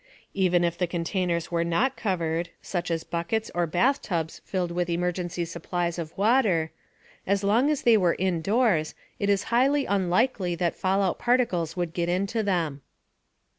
Even if the containers were not covered (such as buckets or bathtubs filled with emergency supplies of water), as long as they were indoors it is highly unlikely that fallout particles would get into them.